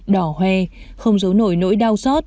đỏ hoe không giấu nổi nỗi đau xót